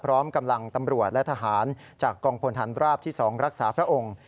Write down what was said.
พร้อมกำลังตำรวจและทหารจากกองพลฐานราบที่๒รักษาพระองค์